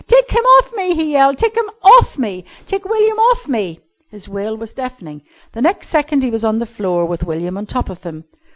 "Take him off me," he yelled. "Take him off me. Take William off me." His wailing was deafening. The next second he was on the floor, with William on top of him.